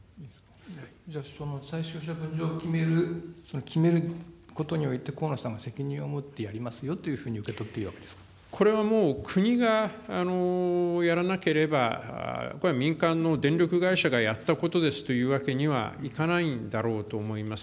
その最終処分場を決める、その決めることにおいて、河野さんは責任を持ってやりますよというふうに、受け取っていいこれはもう、国がやらなければ、これは民間の電力会社がやったことですというわけにはいかないんだろうと思います。